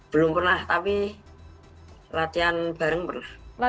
belum pernah tapi latihan bareng pernah